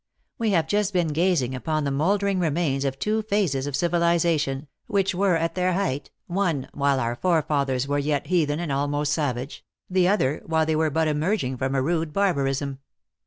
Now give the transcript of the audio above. We have just been gazing upon the mouldering remains of two phases of civilization, which were at their height, one, while our forefathers were yet heathen and almost savage, the other, while they were but emerging from a rude barbarism.